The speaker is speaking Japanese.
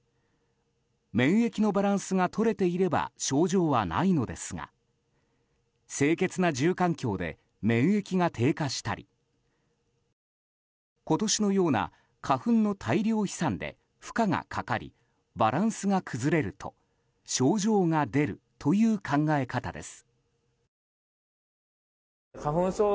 免疫のバランスがとれていれば症状はないのですが清潔な住環境で免疫が低下したり今年のような花粉の大量飛散で負荷がかかりバランスが崩れると症状が出るという考え方です。